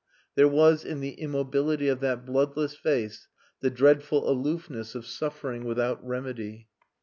There was in the immobility of that bloodless face the dreadful aloofness of suffering without remedy.